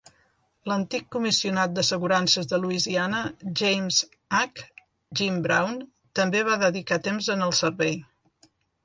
L'antic comissionat d'assegurances de Louisiana, James H. "Jim" Brown, també va dedicar temps en el servei .